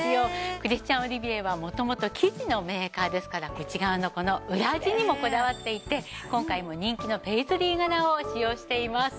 クリスチャン・オリビエは元々生地のメーカーですから内側のこの裏地にもこだわっていて今回も人気のペイズリー柄を使用しています。